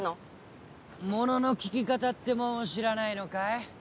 ものの聞き方ってもんを知らないのかい？